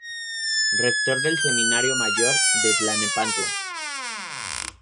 Rector del Seminario mayor de Tlalnepantla.